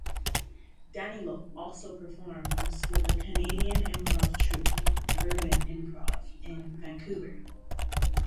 Danylo also performs with the Canadian improv troupe "Urban Improv" in Vancouver.